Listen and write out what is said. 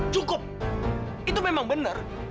cukup itu memang benar